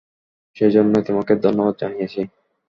সেজন্যই তোমাকে ধন্যবাদ জানিয়েছি!